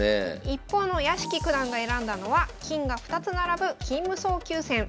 一方の屋敷九段が選んだのは金が２つ並ぶ金無双急戦。